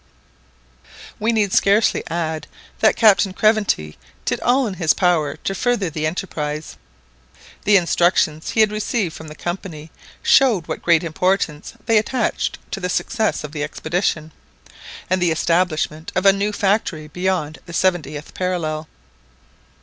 We need scarcely add that Captain Craventy did all in his power to further the enterprise. The instructions he had received from the Company showed what great importance they attached to the success of the expedition, and the establishment of a new factory beyond the seventieth parallel.